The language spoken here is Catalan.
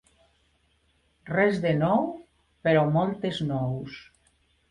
Res de nou, però moltes nous.